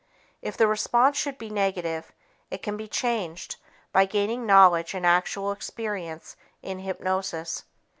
If the response should be negative, it can be changed by gaining knowledge and actual experience in hypnosis.